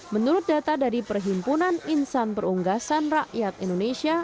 menurut data dari perhimpunan insan perunggasan rakyat indonesia